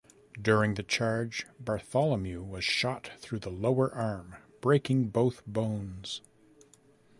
During the charge Bartholomew was shot through the lower arm breaking both bones.